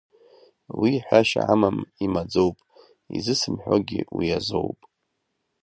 Уи ҳәашьа амам, имаӡоуп, изысымҳәогьы уи азоуп…